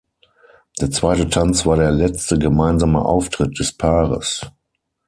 Der zweite Tanz war der letzte gemeinsame Auftritt des Paares.